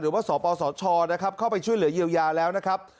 สปสชนะครับเข้าไปช่วยเหลือเยียวยาแล้วนะครับ